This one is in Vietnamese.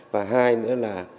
và hai nữa là